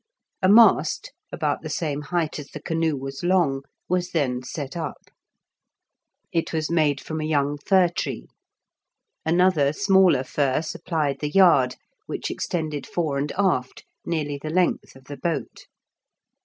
A mast, about the same height as the canoe was long, was then set up; it was made from a young fir tree. Another smaller fir supplied the yard, which extended fore and aft, nearly the length of the boat.